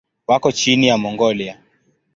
Wako China na Mongolia.